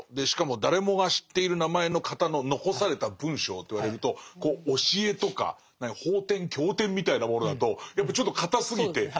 しかも誰もが知っている名前の方の残された文章といわれると教えとか法典経典みたいなものだとやっぱちょっと堅すぎて。